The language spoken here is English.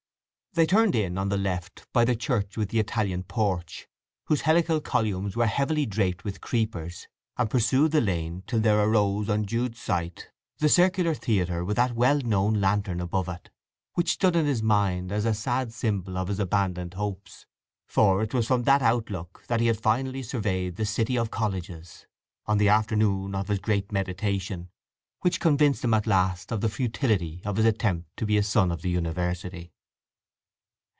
They turned in on the left by the church with the Italian porch, whose helical columns were heavily draped with creepers, and pursued the lane till there arose on Jude's sight the circular theatre with that well known lantern above it, which stood in his mind as the sad symbol of his abandoned hopes, for it was from that outlook that he had finally surveyed the City of Colleges on the afternoon of his great meditation, which convinced him at last of the futility of his attempt to be a son of the university.